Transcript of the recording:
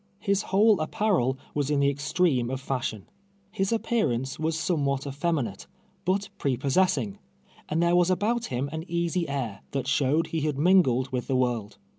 His whole apparel was in the extreme of fashion. His appearance Avas somewhat efteminate, but prepossess ing, and there was about him an easy air, that showed he had mingled with the world.